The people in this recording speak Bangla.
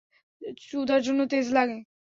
চুদার জন্য তেজ লাগে।